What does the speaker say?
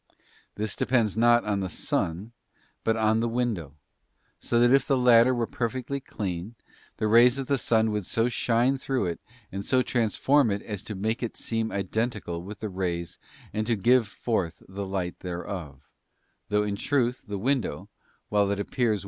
This depends not on the sun but on the window, so that if the latter were perfectly clean, the rays of the sun would so shine through it, and so trans form it as to make it seem identical with the rays and to give forth the light thereof, though in truth the window, while it appears.